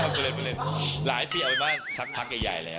ไม่เล่นหลายปีเอาไปบ้างสักพักใหญ่แล้ว